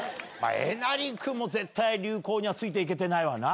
えなり君も絶対流行にはついて行けてないわな。